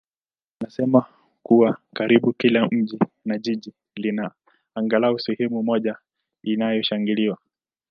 anasema kuwa karibu kila mji na jiji lina angalau sehemu moja iliyoshangiliwa.